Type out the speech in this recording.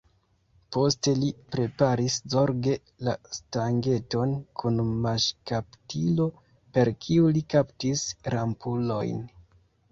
Poste li preparis zorge la stangeton kun maŝkaptilo, per kiu li kaptis rampulojn.